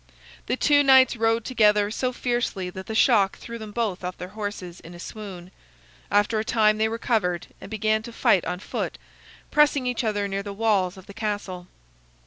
The two knights rode together so fiercely that the shock threw them both off their horses in a swoon. After a time they recovered and began to fight on foot, pressing each other near the walls of the castle.